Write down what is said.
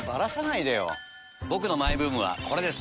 僕のマイブームはこれです。